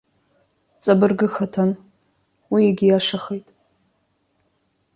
Ҵабыргыхаҭан, уи егьиашахеит.